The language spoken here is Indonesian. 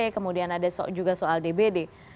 kemudian ada juga soal dbd